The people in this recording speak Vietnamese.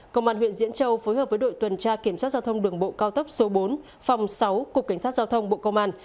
công an huyện diễn châu phối hợp với đội tuần tra kiểm soát giao thông đường bộ cao tốc số bốn phòng sáu cục cảnh sát giao thông bộ công an